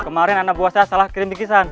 kemarin anak buah saya salah kirim bikisan